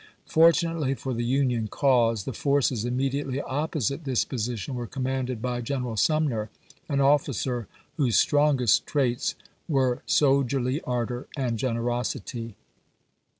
Fortunately for the Union cause, the forces imme diately opposite this position were commanded by General Sumner, an officer whose strongest traits FROM WILLIAMSBUEG TO FAIE OAKS 389 were soldierly ardor and generosity.